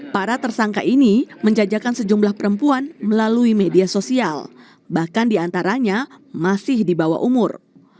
para tersangka ini menjajakan sejumlah perempuan melalui media sosial bahkan diantaranya masih di bawah umur